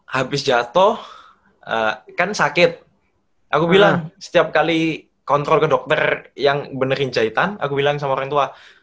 habis jatuh kan sakit aku bilang setiap kali kontrol ke dokter yang benerin jahitan aku bilang sama orang tua